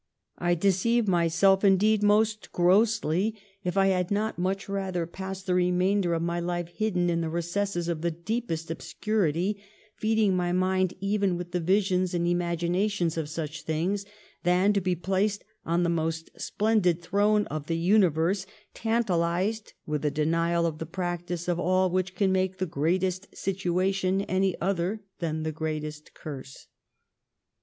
I deceive myself, indeed, most grossly if I had not much rather pass the remainder of my life hidden in the recesses of the deepest obscurity, feeding my mind even with the visions and imaginations of such things, than to be placed on the most splendid throne of the universe tantalized with a denial of the practice of all which can make the greatest situation any other than the greatest curse."